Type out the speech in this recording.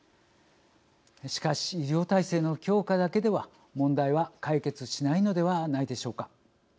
しかし、医療体制の強化だけでは問題は解決しないのではないでしょうか。